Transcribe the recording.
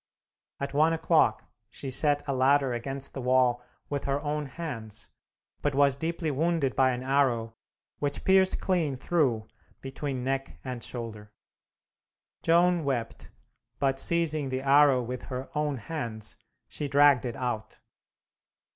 At one o'clock she set a ladder against the wall with her own hands, but was deeply wounded by an arrow, which pierced clean through between neck and shoulder. Joan wept, but seizing the arrow with her own hands she dragged it out.